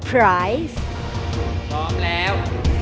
พร้อมแล้ว